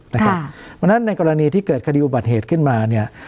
เพราะฉะนั้นในกรณีที่เกิดคดีอุบัติเหตุขึ้นมาเนี่ย